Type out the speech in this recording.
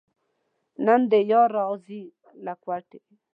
نن دې یار راځي له کوټې.